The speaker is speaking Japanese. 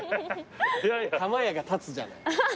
「玉屋」が立つじゃない。